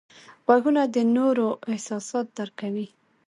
غوږونه د نورو احساسات درک کوي